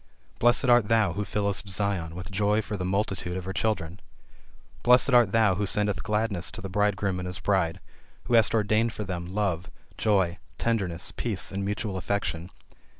Blessed art thou, who fillest Zion with joy for the multitude of her children! Blessed art thou who sendest gladness to the bridegroom and his bride; who hast ordained for them, love, joy, tenderness, peace and mutual affection.